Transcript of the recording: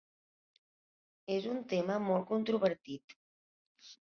És un tema molt controvertit.